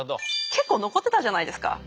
結構残ってたじゃないですか